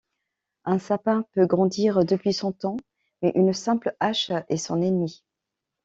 Un sapin peut grandir depuis cent ans, mais une simple hache est son ennemi.